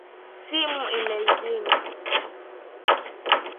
Simu imezima